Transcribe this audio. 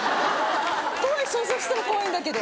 想像したら怖いんだけど。